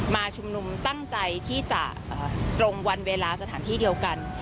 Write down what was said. มาชุมนุมตั้งใจที่จะตรงวันเวลาสถานที่เดียวกัน